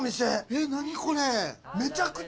えっ何これ。